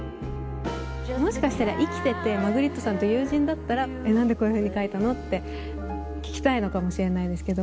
もしかしたら生きててマグリットさんと友人だったら「何でこういうふうに描いたの？」って聞きたいのかもしれないですけど。